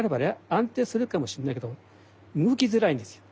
安定するかもしんないけど動きづらいんですよ。